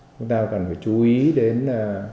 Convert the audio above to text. chúng ta cần phải chú ý đến